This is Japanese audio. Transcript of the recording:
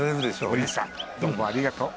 おりんさんどうもありがとう。